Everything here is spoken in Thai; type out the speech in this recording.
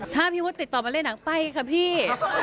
ถ้าพี่มดติดต่อมาเล่นหนังไปค่ะพี่